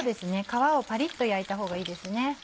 皮をパリっと焼いたほうがいいですね。